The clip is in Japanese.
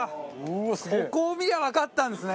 ここを見ればわかったんですね。